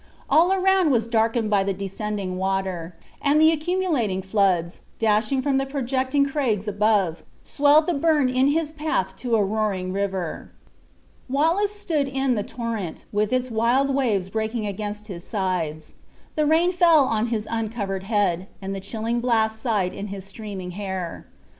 All around was darkened by the descending water; and the accumulating floods, dashing from the projecting craigs above, swelled the burn in his path to a roaring river. Wallace stood in the torrent, with its wild waves breaking against his sides. The rain fell on his uncovered head, and the chilling blast sighed in his streaming hair.